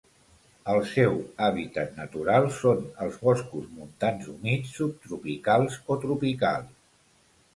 El seu hàbitat natural són els boscos montans humits subtropicals o tropicals.